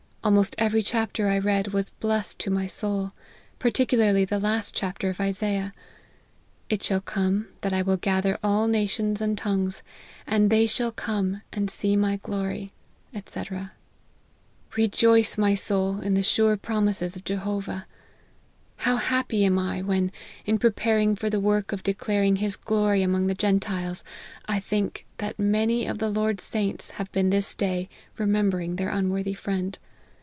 Almost every chapter I read was blest to my soul ; particularly the last chapter of Isaiah :; It shall come, that I will gather all nations and tongues ; and they shall come, and see my glory,' &c. Re 80 LIFE OF HENRY MARTYN. joice, my soul, in the sure promises of Jehovah, How happy am I, when, in preparing for the work of declaring his glory among the Gentiles, I think, that many of the Lord's saints have been this day remembering their unworthy friend.